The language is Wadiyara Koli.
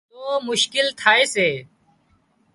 تو مشڪل ٿائي سي